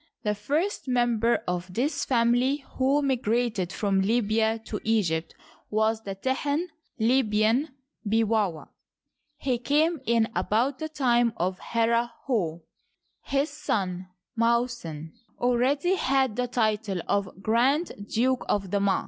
The first member of this family who migrated from Libya to Egypt was the Tehen (Libyan) Buiwawa, He came in about the time of Herfhor. His son Mausan already had the title of Grand Duke of the Ma.'